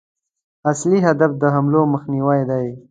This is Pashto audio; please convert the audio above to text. اصلي هدف د حملو مخنیوی دی.